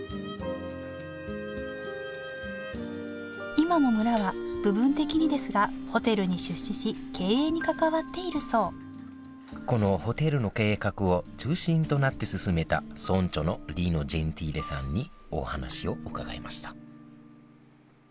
今も村は部分的にですがホテルに出資し経営に関わっているそうこのホテルの計画を中心となって進めた村長のリノ・ジェンティーレさんにお話を伺いました